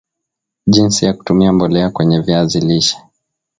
jinsi ya kutumia mbolea kwenye viazi lishe